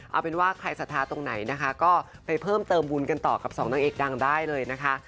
เอาเป็นว่าใครสัทธาตรงไหนนะคะก็ไปเพิ่มเติมบุญกันต่อกับสองนางเอกดังได้เลยนะคะ